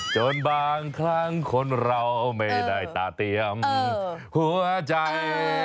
จนบางครั้งคนเราไม่ได้ตาเตรียมหัวใจ